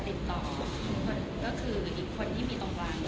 แต่ติดต่อก็คืออีกคนที่มีตรงกลาง